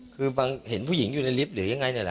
คือเห็นผู้หญิงอยู่ในลิฟต์หรือยังไงนี่แหละ